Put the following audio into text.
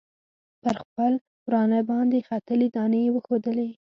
پر خپل ورانه باندې ختلي دانې یې وښودلې.